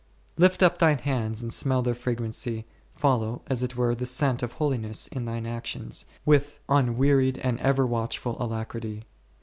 Lift up thine hands and smell their fragrancy; follow, as it w r ere, the scent of holiness in thine actions, with un wearied and ever watchful alacrity.